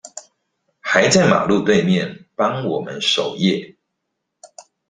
還在馬路對面幫我們守夜